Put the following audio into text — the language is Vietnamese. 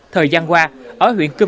thời gian qua ở huyện cơm